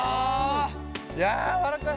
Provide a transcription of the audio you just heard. やわらかい。